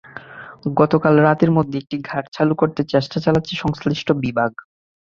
গতকাল রাতের মধ্যে একটি ঘাট চালু করতে চেষ্টা চালাচ্ছে সংশ্লিষ্ট বিভাগ।